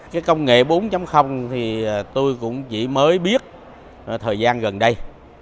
cái công nghệ bốn thì tôi cũng chỉ mới biết thời gian gần đây